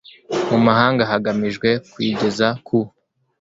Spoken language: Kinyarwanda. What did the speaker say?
mu mahanga hagamijwe kuyigeza ku